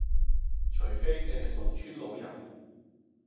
除非你係農村老人